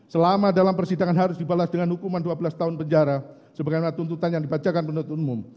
selama dalam persidangan harus dibalas dengan hukuman dua belas tahun penjara sebagaimana tuntutan yang dibacakan penuntut umum